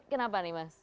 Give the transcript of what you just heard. kenapa nih mas